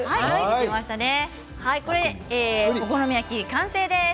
これでお好み焼き完成です。